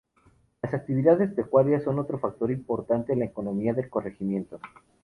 Las actividades pecuarias son otro factor importante en la economía del corregimiento.